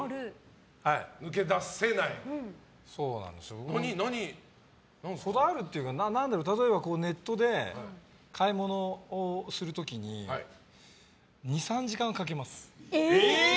抜け出せない？こだわるというか、ネットで買い物をする時に２３時間かけます。